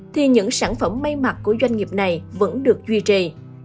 thì những sản phẩm may mặt của doanh nghiệp này vẫn được duy trì